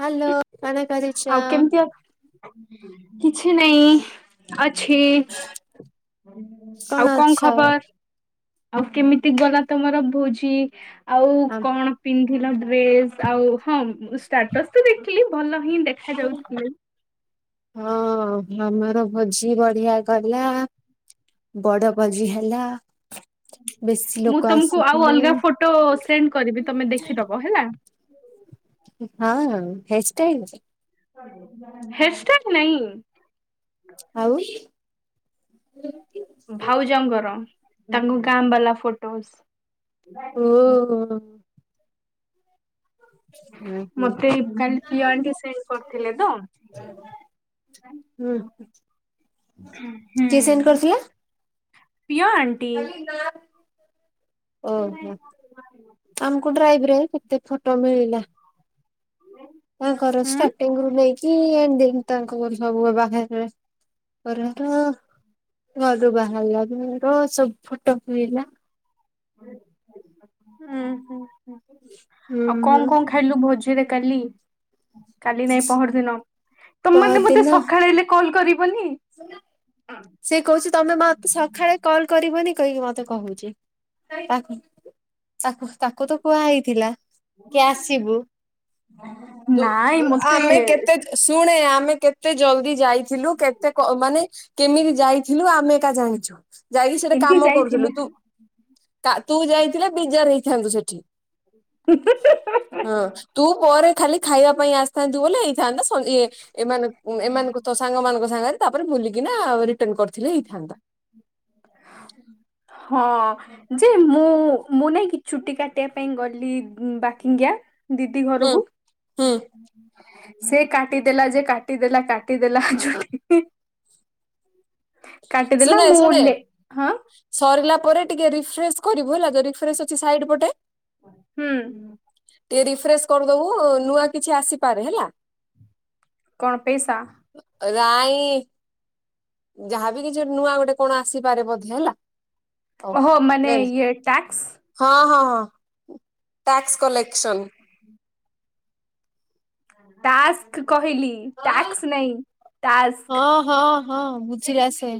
Hello କଣ କରୁଛ? ଆଉ କେମିତି ଅ କିଛି ନାଇଁ ଅଛି। ଆଉ କଣ ଖବର? ଆଉ କେମିତି ଗଲା ତମର ଭୋଜି ଆଉ କଣ? ପିନ୍ଧିଲ ଡ୍ରେସ, ଆଉ ହଁ ଷ୍ଟାଟସ୍ ତ ଦେଖିଲି ଭଲ ହିଁ ଦେଖା ଯାଉଥିଲେ। ହଁ ମାମାର ଭୋଜି ବଢିଆ ଗଲା। ବଡ ଭୋଜି ହେଲା। ବେଶୀ ମୁଁ ଲୋକ ତମକୁ ଆଉ ଆସିଥିଲେ ଅଲଗା ଫଟୋ ସେଣ୍ଡ କରିବି ତମେ ଦେଖିଦବ ହେଲା। [inaudible] ହଁ, ହେୟାର ଷ୍ଟାଇଲରେ। ହେୟାର୍ ସଟାଇଲ ନାହିଁ। ଆଉ ଭାଉଜଙ୍କର ତାଙ୍କ ଗାଁ ବାଲା ଫୋଟୋସ। ଓହୋ ହୁଁ ମତେ କାଲି ପିଅ ଆଣ୍ଟି ସେଣ୍ଡ କରିଥିଲେ ତ। ହଁ, କିଏ ସେଣ୍ଡ କରିଥିଲା? ପିଅ ଆଣ୍ଟି। ଓହୋ ଆମକୁ ଡ୍ରାଇଭରେ କେତେ ଫଟୋ ମିଳିଲା। ତାଙ୍କର ହୁଁ। ଷ୍ଟାର୍ଟିଙ୍ଗ ରୁ ନେଇକି ଏ ଏଣ୍ଡିଙ୍ଗ ତାଙ୍କ ଘର ସବୁ ବାହରେ ଘର ର ଘରୁ ବାହାରିଲା ଘର ର ସବୁ ଫଟ ମିଳିଲା। ହଁ ହ ହୁଁ ଆଉ କଣ ହୁଁ କଣ ଖାଇ ଖାଇଲୁ ଭୋଜିରେ କାଲି କାଲି ନାଇଁ ପହର ଦିନ ତମାନେ ମତେ ସଖାଳେ ହେଲେ କଲ୍ କରିବନି ଇ ସ [unintelligible] ସେ କହୁଚି ତମେ ମତେ ସକାଳେ କଲ କରିବନି କହିକି ମତେ କହୁଛି ତା ତାକୁ ତାକୁ ତ କୁହା ହେଇଥିଲା କି ଆସିବୁ। ତୁ ନାଇଁ ମତେ ଆମେ ଏ କେତେ ଶୁଣେ ଆମେ କେତେ ଜଲଦି ଯାଇଥିଲୁ କେତେ କ ମାନେ କେମିତି ଯାଇଥିଲୁ ଆମେ ଏକା ଜାଣିଚୁ ଯାଇକି ସେଟେ କେମିତି କାମ ଯାଇଥିଲୁ କରୁଥିଲୁ ତୁ ତୁ ଯାଇଥିଲେ ବିଜାର ହେଇଥାନ୍ତୁ ସେଠି। [unintelligible] ହଁ ତୁ ପରେ ଖାଲି ଖାଇବା ପାଇଁ ଆସିଥାନ୍ତୁ ବୋଲେ ହେଇଥାନ୍ତା ସ ଇଏ ଏମାନ ଏମାନଙ୍କ ତ ସାଙ୍ଗ ମାନଙ୍କ ସାଙ୍ଗରେ ତାପରେ ବୁଲିକିନା ରିଟର୍ନ କରିଥିଲେ ହେଇଥାନ୍ତା। ହଁ ଅଁ। ଯେ ମୁଁ ମୁଁ ନାଇଁ କି ଛୁଟି କାଟିବା ପାଇଁ ଗଲି ବାକିଙ୍ଗିଆ ଦିଦି ହୁଁ ଘରକୁ ହୁଁ ସେ କାଟିଦେଲା ଯେ କାଟିଦେଲା କାଟିଦେଲା ଚୁ [unintelligible] ସୁଣ ଏ ମୁଁ ଶୁଣ ଏ ଲେ ହଁ ସରିଲା ପରେ ଟିକେ ରିଫ୍ରେସେ କରିବୁ ହେଲା ରିଫ୍ରେସେ ଅଛି ସାଇଡ ପଟେ ହୁଁ। ଟିକେ ରିଫ୍ରେେଶ କରିଦବୁ ନୂଆ କିଛି ଆସିପାରେ ହେଲା। କଣ ପଏସା ରାଇଁ ଯାହାବି କିଛି ଗୋଟେ ନୂଆ ଗୋଟେ କଣ ଆସିପାରେ ବୋଧ ହେଲା। ହଉ ଓହୋ ମାନେ ନେ ନେ ଇଏ ଟ୍ୟାକ୍ସ। ହଁ ହଁ ହଁ ଟ୍ୟାକ୍ସ କଲେକ୍ସନ। ଟାସ୍କ କହିଲି ଟ୍ୟାକ୍ସ ନାହିଁ ଟାସ୍କ ହଁ ହଁ ହଁ ବୁଝିଲାସେ।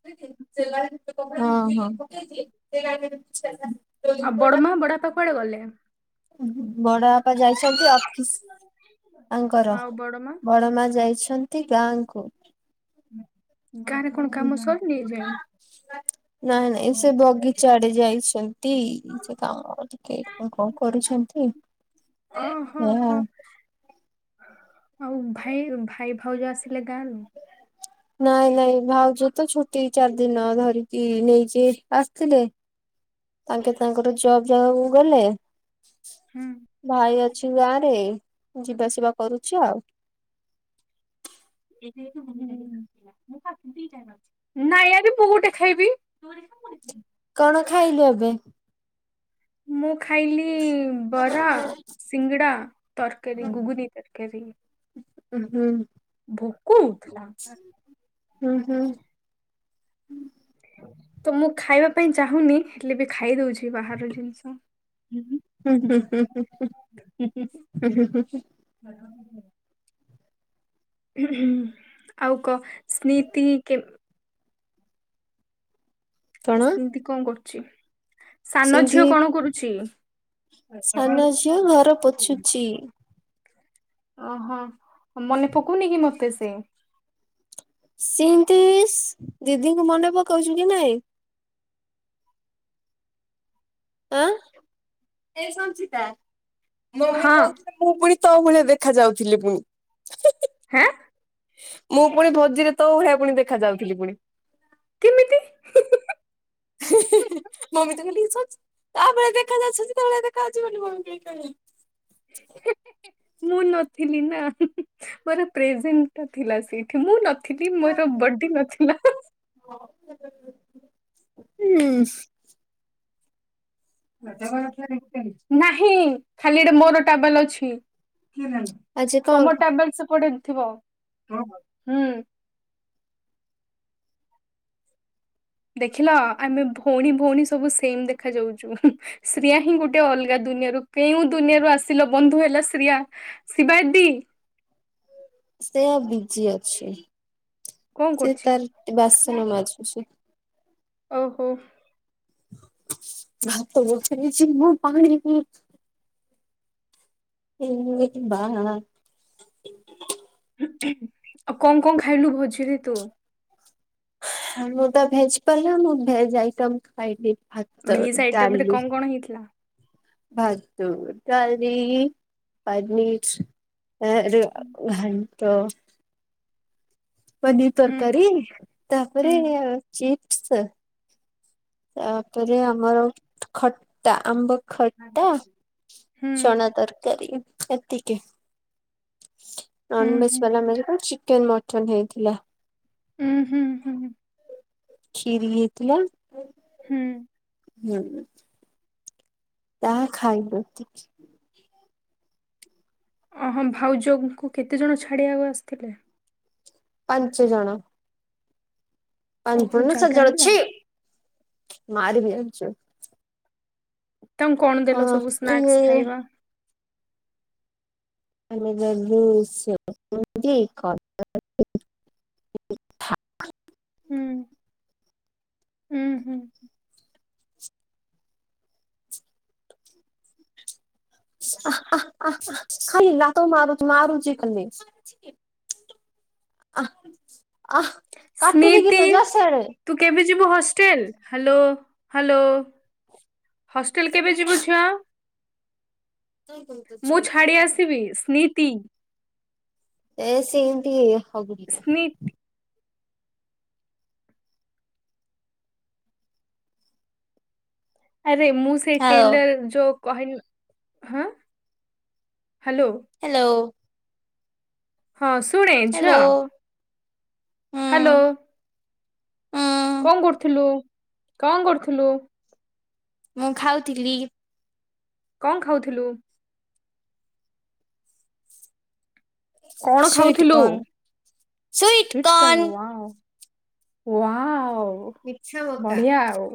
ହଁ ହଁ। ଆଉ ବଡମା ବଡ ବାପା କୁଆଡେ ଗଲେ? ବଡ ବାପା ଯାଇଛନ୍ତି ଅଫିସ ତାଙ୍କର ଆଉ ବଡମା ବଡ ମା ଯାଇଛନ୍ ନ୍ତି ଗାଁ କୁ ଗାଁରେ କଣ କାମ ସରିନି ଏ ଯାଏଁ? ନାଇଁ ନାଇଁ ସେ ବଗିଚାଆଡେ ଯାଇଚନ୍ତି। ସେ କାମ ଟିକେ କଣ କଣ କରୁଛନ୍ତି ଓହୋ ହୁଁ ହୋ ଆଉ ଭାଇ ଭାଇ ଭାଉଜ ଆସିଲେ ଗାଁରୁ? ନାଇଁ ନାଇଁ ଭାଉଜ ତ ଛୁଟି ଚାରି ଦିନ ଧରିକି ନେଇକି ଆସିଥିଲେ। ତାଙ୍କେ ତାଙ୍କର ଜବ ଜାଗା କୁ ଗଲେ। ହୁଁ। ଭାଇ ଅଛି ଗାଁରେ ଯିବାସିବା କରୁଛି ଆଉ। [unintelligible] ନାଇଁ ଆାର ମୁଁ ଗୋଟେ ଖାଇବି। କଣ ଖାଇଲୁ ଏବେ? ମୁଁ ଖାଇଲି ବରା ସିଙ୍ଗଡ଼ା ତରକାରୀ ଗୁଗୁନି ତରକାରୀ। ହୁଁ। ଭୋକ ହୋଉ ଥିଲା। ହୁଁ ହୁଁ। ତ ମୁଁ ଖାଇବା ପାଇଁ ଚାହୁଁନି ହେଲେ ବି ଖାଇ ଦଉଛି ବାହାରର ଜିନିଷ। ହୁଁ ହୁଁ ହୁଁ [inaudible] ଆଉ କହ ସ୍ମୀତି କେ କଣ ସେମିତି କଣ କରୁଛି? ସାନ ସିନ୍ଧି ଝିଅ କଣ କରୁଛି? ଛି ଓହୋ ମନେ ପକଉନି କି ମତେ ସେ? ସିନ୍ତିସ ଦିଦିଙ୍କୁ ମନେ ପକଉଛୁ କି ନାଇଁ? ଆ ଏ ସଞ୍ଚିତା ମମି ହଁ କହୁ ମୁଁ ପୁଣି ତୋ ଭଳିଆ ଦେଖା ଯାଉଥିଲି ପୁଣି। ହାଁ। ମୁଁ ପୁଣି ଭୋଜିରେ ତୋ ଭଳିଆ ପୁଣି ଦେଖା ଯାଉଥିଲି ପୁଣି। କେମତି? ମମି ତ କହିଲେ ତା ଭଳି ଦେଖା ଯାଉବେଳେ ଦେଖାବନି ମମି କେହି କଣ? ମୁଁ ନଥିଲି ନା ମୋର ପ୍ରେଜେଣ୍ଟା ଥିଲା ସେଠି ମୁଁ ନଥିଲି। ଥିଲି ମୋର ବାର୍ଥଡେ ନଥିଲା। ହୁଁ। ନାହିଁ ଖାଲିଟେ ମୋର ଟାବଲ ଅଛି। ଆଜି କଣ କ ତମ ଟାବଲ ସେପଟେ ଥିବ ହଁ। ଦେଖିଲ ଆମେ ଭଉଣୀ ଭଉଣୀ ସବୁ ସେମ ଦେଖା ଯାଉଛୁ। ଶ୍ରୀୟା ହିଁ ଗୋଟେ ଅଲଗା ଦୁନିଆରୁ କେଉଁ ଦୁନିଆରୁ ଆସିଲ ବନ୍ଧୁ ହେଲା ଶ୍ରୀୟା। ଶିବା ଦିଦି। ଶ୍ରେୟା ବିଜି ଅଛି କଣ ସେ କରୁଛି? ତାର ବାସନ ମାଜୁଛି। ଓହୋ। ଭାତ ଗୋଟା ହେଇଯିବ ପାଣି ପିଇ ବା ଆଉ କଣ କଣ ଖାଇଲୁ ଭୋଜିରେ ତୁ? ହାମେ ତ ଭେଜ ପଲା ମୁଁ ଭେଜ ଆଇଟମ ଖାଇଲି। ଭାତ ଭେଜ ଆଇଟମ ରେ ଡାଲି କଣ କଣ ହେଇଥିଲା? ଭାତ ଡାଲି ପନୀର। [unintelligible] ଘାଣ୍ଟ। ପନିର ହୁଁ ତରକାରୀ ଅହ ତାପରେ ଚିପ୍ସ। ତାପରେ ଆମର ଖଟା ଆମ୍ବ ଖଟା। ଚଣା ତରକାରୀ ଏତିକି। ନନଭେଜ ବାଲା ମାନଙ୍କ ଚିକେନ ମଟନ୍ ହେଇଥିଲା। ହୁଁ ହୁଁ ହୁଁ। କ୍ଷୀରି ହେଇଥିଲା। ହୁଁ। [unintelligible] ତାହା ଖାଇବୁ ଅ ହଁ ଭାଉଜ ଙ୍କୁ କେତେ ଜଣ ଛାଡ଼ିବାକୁ ଆସିଥିଲେ। ପାଞ୍ଚଜଣ। ଓହୋ ପାଞ୍ଚପରୁଣ ଜାଗା ହେଲା ସଜଅଛି ମାରିବି ଜଣିଛୁ। ତାଙ୍କୁ କଣ ଦେଲ ସବୁ ସ୍ନାକ୍ସ ଖାଇବା। ଆମେ ଦେଲୁ ଶିଓ [unintelligible] ହୁଁ ହୁଁ ହୁଁ। ଆଁ ଆଁ ଆଁ ଖାଲି ନାତୁ ମାରୁଛି ଖାଲି ମାରୁଛି ଖାଲି। ଆଁ ଆଁହ ସ୍ମିତି ତୁ କେବେ ଯିବୁ ହଷ୍ଟେଲ ହେଲ୍ଲୋ ହେଲ୍ଲୋ। ହଷ୍ଟେଲ କେବେ ଯିବୁ ଝିଅ। ଏ ମୁଁ ଛାଡି ଆସିବି ସ୍ନିତି। ଏ ସିମତି ହଗୁରି ଟା। ସ୍ନିତି ଆରେ ମୁଁ ସେ ହଉ ଟେଲର ଯଉ କହନି ହଁ ହ୍ୟାଲୋ। ହ୍ୟାଲୋ। ହଁ ଶୁଣେ ଝିଅ। ହ୍ୟାଲୋ ହୁଁ ହ୍ୟାଲୋ। ହୁଁ କଣ କରୁଥିଲୁ କଣ କରୁଥିଲୁ। ମୁଁ ଖାଉଥିଲି। କଣ ଖାଉଥିଲୁ। କଣ ସୁଇଟ ଖାଉଥିଲୁ କର୍ନ ସୁଇଟ ସ୍ଵୀତ୍କର୍ନ କର୍ନ। ୱବ। ୱବ ମିଠା ମକା। ବଢିଆ ଆଉ।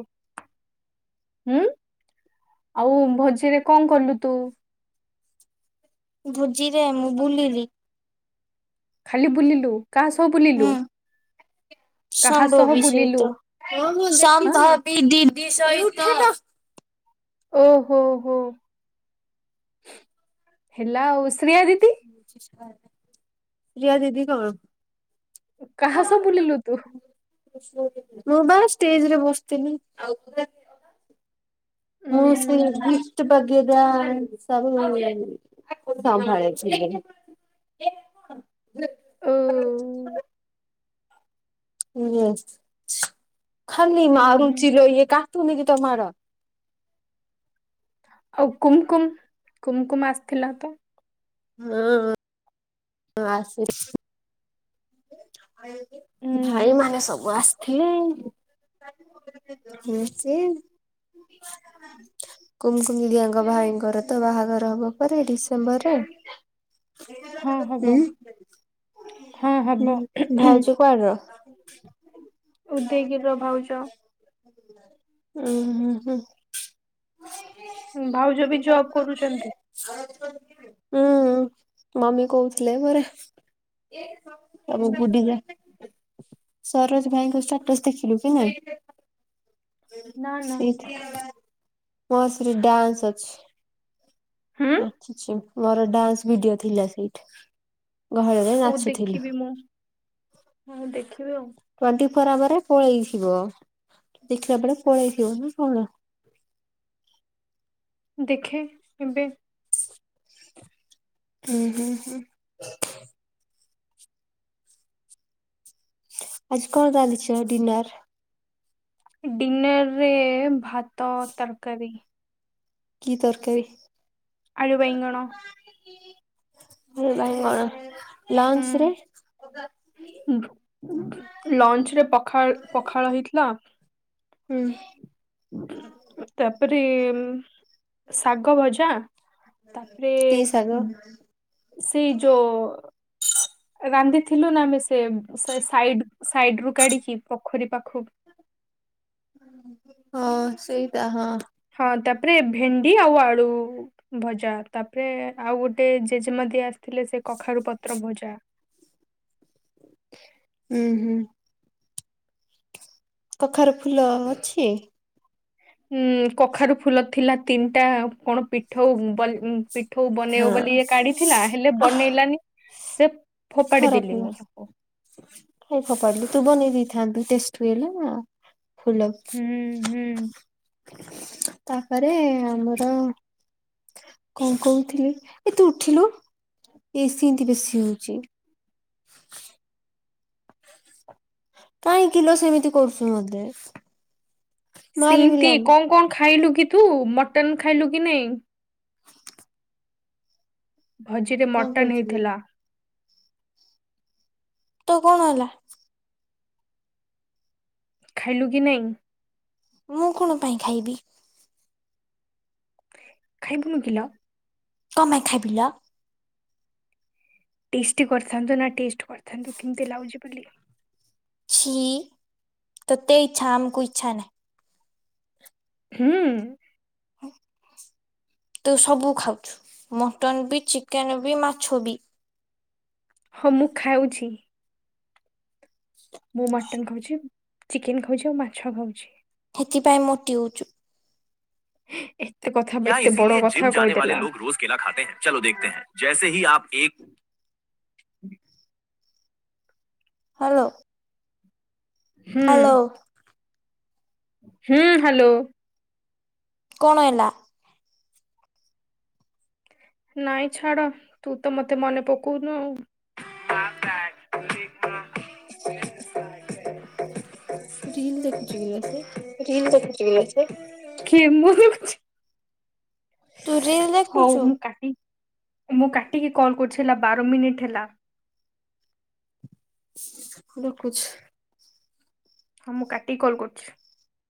ହୁଁ ଆଉ ଭୋଜିରେ କଣ କଲୁ ତୁ। ଭୋଜିରେ ମୁଁ ବୁଲିଲି। ଖାଲି ବୁଲିଲୁ କାହା ସହ ବୁଲିଲୁ। କାହା ସହ ସମ୍ଭବି ବୁଲିଲୁ ସହିତ ହାଁ ସମ୍ଭାବି ଦିଦି ସହିତ ଓ ହୋ ହୋ ହେଲା ଆଉ ଶ୍ରିୟା ଦିଦି ରିଆ ଦିଦି କଣ କାହା ସହ ବୁଲିଲୁ ତୁ? ମୁଁ ବା ଷ୍ଟେଜରେ ବସିଥେଲି। ଉଁ ମୁଁ ହୁଁ ସେ ହୁଁ ଗିଫ୍ଟ ବାଗେରା ସବୁ ଅକୁ ସମ୍ଭାଳି ଥିଲି ଓ [unintelligible] କୁହ ଖାଲି ଉଁ ହୁଁ ମାରୁଚି ଲୋ ଇଏ କାଟୁନି କି ତୋ ମାଡ। ଆଉ କୁମକୁମ୍ କୁମକୁମ୍ ଆସିଥିଲା ତ? ହଁ ଆସି ଉଁ [inaudible] ହୁଁ ଭାଇମାନେ ସବୁ ଆସ [unintelligible] କୁମକୁମ୍ ଦିଦିଆଙ୍କ ଭାଇଙ୍କର ତ ବାହାଘର ହବ ପରେ ଡିସେମ୍ବରରେ। [unintelligible] କୁହ ହଁ ହୁଁ ହବ। ଭାଉଜ କୁଆଡର ଉଦଗିରି ର ଭାଉଜ। ଉଁ ହୁଁ -ହୁଁ। ଭାଉଜ ବି ଜବ୍ କରୁଚନ୍ତି। ଉଁ-ଉଁ ମମି କହୁଥିଲେ ଘରେ। ସବୁ ବୁଡିଯା ସରୋଜ ଭାଇଙ୍କ ଷ୍ଟାଟସ୍ ଦେଖିଲୁ କି ନାଇଁ? ନା ନା ସେଇଥିରେ ମୋ ଡ୍ୟାନ୍ସ ଅଛି। ହୁଁ ନାଚୁଚି ମୋର ଡାନ୍ସ ଭିଡିଓ ଥିଲା ସେଇଠି ଗହଳିରେ ଓ ନାଚୁଥିଲୁ। ଦେଖିବି ମୁଁ ହଁ ଦେଖିବି ଆଉ। ଟ୍ବଣ୍ଟି ଫୋର୍ ଆୱାରରେ ପଳେଇଥିବ ଦେଖିଲାବେଳେ ପଳେଇଥିବ ନାଁ କଣ? ଦେଖେ କେବେ। ହୁଁ- ହୁଁ- ହୁଁ। ଆଜି କଣ ରାନ୍ଧିଛ ଡିନର୍? ଡିନର୍ ରେ ଭାତ, ତରକାରୀ। କି ତରକାରୀ? ଆଳୁ ବାଇଁଙ୍ଗଣ। ଓ ବାଇଗଣ ଲଞ୍ଚରେ? ଲଞ୍ଚ୍ ରେ ପଖାଳ ପଖାଳ ହେଇଥିଲା। ହୁଁ। ତାପରେ ଶାଗଭଜା ତାପରେ କି ଶାଗ? ସେଇ ଯୋ ରାନ୍ଧିଥିଲୁ ନା ଆମେ ସେ ସେ ସାଇଡ୍ ସାଇଡ୍ ରୁ କାଢିକି ପୋଖରୀ ପାଖୁ ହଁ ସେଇଟା ହଁ। ହଁ ତାପରେ ଭେଣ୍ଡି ଆଉ ଆଳୁ। ଭଜା ତାପରେ ଆଉ ଗୋଟେ ଜେଜେମା ଦି ଆସିଥିଲେ ସେ କଖାରୁପତ୍ର ଭଜା। ହୁଁ -ହୁଁ। କଖାରୁ ଫୁଲ ଅଛି? ଉଁ କଖାରୁ ଫୁଲ ଥିଲା ତିନିଟା କଣ ପିଠଉ ବ ଉଁ ପିଠଉ ବନେଇବ ହଁ। ବୋଲି ଇଏ କାଢିଥିଲା ହେଲେ ବନେଇଲାନି। ସେ ଫୋପାଡି ଦେଲିି ମୁଁ ତାକୁ। କାଇ ଫୋପାଡିଲୁ ତୁ ବନେଇ ଦେଇଥାନ୍ତୁ ଟେଷ୍ଟ୍ ହୁଏନା ଫୁଲ। ହୁଁ। ହୁଁ ତାପରେ ଆମର କଣ କୋଉ? ଥିଲି ଏ ତୁ ଉଠିଲୁ ଏ ସିନ୍ତି ବେଶୀ ହଉଚି। କାହିଁ କିଲୋ ସେମିତି କରୁଛୁ ମତେ। ମାରିବି ସେମତି ଲୋ ମା କଣ କଣ ଖାଇଲୁ କି ତୁ ମଟନ୍ ଖାଇଲୁ କି ନାଇଁ? ଭୋଜିରେ କଣ ମଟନ୍ କହୁଛୁ କିରେ ହେଇଥିଲା। ତୁ କଣ ହେଲା। ଖାଇଲୁ କି ନାହିଁ? ମୁଁ କଣ ପାଇଁ ଖାଇବି। ଖାଇବୁନୁ କିିଲ ଲୋ। କଣ ପାଇଁ ଖାଇବି ଲୋ। ଟେଷ୍ଟି କରିଥାନ୍ତୁ ନା ଟେଷ୍ଟ୍ କରିଥାନ୍ତୁ କେମିତି ଲାଗୁଛି ବୋଲି। ଛି ତତେଇ ଚ୍ଛାମ୍ କୁ ଇଚ୍ଛା ନାହିଁ। ହୁଁ ତୁ ସବୁ ଖାଉଛୁ ମଟନ ବି ଚିକେନ ବି ମାଛ ବି। ହଁ ମୁଁ ଖାଉଛି। ମୁଁ ମଟନ ଖାଉଛି ଚିକେନ ଖାଉଛି ଆଉ ମାଛ ଖାଉଛି। ସେଥିପାଇଁ ମୋଟି ହଉଛୁ। ଏତେ କଥା କେତେ ବଡ଼ କଥା କହିଦେଲା। ଜେସେ ହି ଆପ ଏକ ହ୍ୟାଲୋ ହୁଁ ହ୍ୟାଲୋ ହୁଁ ହ୍ୟାଲୋ କଣ ହେଲା? ନାଇଁ ଛାଡ ତୁ ତ ମତେ ମନେ ପକଉନୁ ଆଉ ରିଲ ଦେଖୁଚି କି ଲୋ ସେ? ରୀଲ ଦେଖୁଚି କି ଲୋ ସେ କିଏ ମୁଁ ତୁ ରିଲ ହଉ ଦେଖୁଛୁ? ମୁଁ କାଟିି ମୁଁ କାଟିକି କଲ୍ କରୁଛି ହେଲା ବାର ମିନିଟ ହେଲା। ରଖୁଛି। ହଁ ମୁଁ କାଟିକି କଲ୍ କରୁଛି।